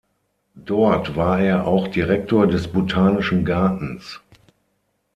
Dort war er auch Direktor des Botanischen Gartens.